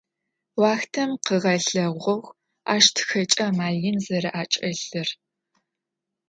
Уахътэм къыгъэлъэгъуагъ ащ тхэкӏэ амал ин зэрэӏэкӏэлъыр.